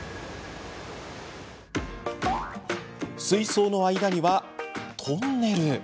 水槽の間にはトンネル？